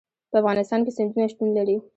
په افغانستان کې سیندونه شتون لري.